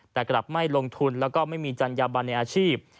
แต่กระดับไม่ลงทุนและไม่มีจันยบันในอาชีพ